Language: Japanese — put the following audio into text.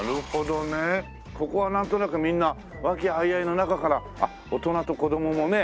ここはなんとなくみんな和気あいあいの中から。あっ大人と子供もね。